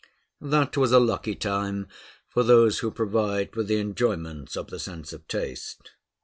That was a lucky time for those who provide for the enjoyments of the sense of taste.